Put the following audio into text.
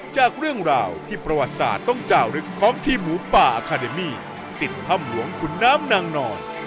จากเรื่องราวที่ประวัติศาสตร์ต้องเจ้าลึกของที่หมูป่าติดพรรมหลวงคุณน้ำนางนอน